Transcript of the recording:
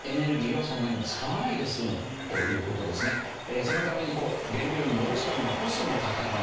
そのために原料に戻すためのコストもかからない。